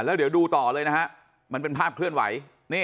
แล้วเดี๋ยวดูต่อเลยนะฮะมันเป็นภาพเคลื่อนไหว